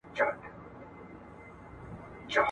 ملنګه ! محبت ګني بېخي دلته ناياب دی؟ .